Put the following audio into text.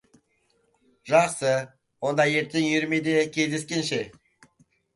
Жақсы. Онда ертең үйірмеде кездескенше.